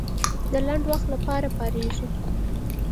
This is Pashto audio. د لنډ وخت لپاره پارېږي.